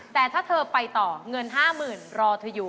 แต่ถ้าเธอไปต่อเงิน๕๐๐๐รอเธออยู่